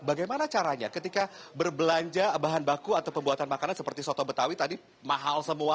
bagaimana caranya ketika berbelanja bahan baku atau pembuatan makanan seperti soto betawi tadi mahal semua